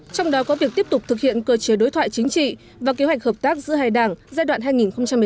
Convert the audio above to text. trong đó có việc tiếp tục thực hiện cơ chế đối thoại chính trị và kế hoạch hợp tác giữa hai đảng giai đoạn hai nghìn hai mươi một hai nghìn hai mươi năm